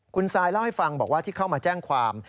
คุณซายเล่าให้ฟังบอกว่าที่เข้ามาแจ้งความ